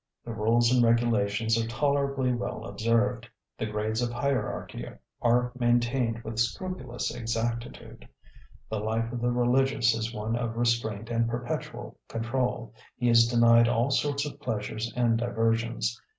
The rules and regulations are tolerably well observed; the grades of hierarchy are maintained with scrupulous exactitude. The life of the religious is one of restraint and perpetual control. He is denied all sorts of pleasures and diversions.